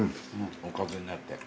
おかずになって。